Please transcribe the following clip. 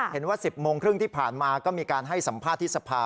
เห็นว่า๑๐โมงครึ่งที่ผ่านมาก็มีการให้สัมภาษณ์ที่สภา